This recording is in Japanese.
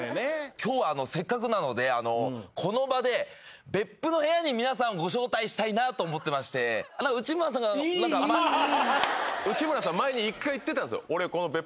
今日せっかくなのでこの場で別府の部屋に皆さんをご招待したいなと思ってまして内村さんがなんか内村さん前に一回言ってたんですよ